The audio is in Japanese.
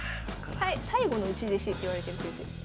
最後の内弟子っていわれてる先生です。